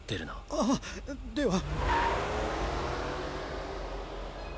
ああっでは。